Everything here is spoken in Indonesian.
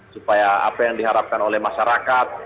supaya apa yang diharapkan oleh masyarakat